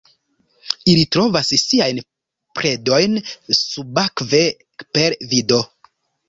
Ili trovas siajn predojn subakve per vido.